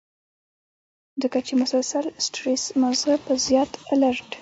ځکه چې مسلسل سټرېس مازغۀ پۀ زيات الرټ